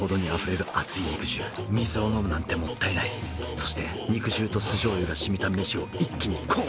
そして肉汁と酢醤油がしみた飯を一気にこう！